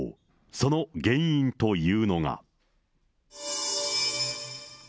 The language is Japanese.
その原因というのが。